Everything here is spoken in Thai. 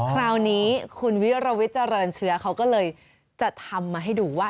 คราวนี้คุณวิรวิทย์เจริญเชื้อเขาก็เลยจะทำมาให้ดูว่า